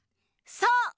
そう！